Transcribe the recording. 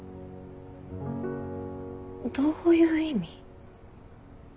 どういう意味？